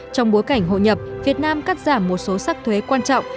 trong bối cảnh hội nhập việt nam cắt giảm một số sắc thuế quan trọng